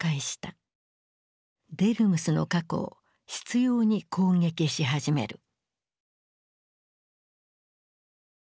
デルムスの過去を執ように攻撃し始める。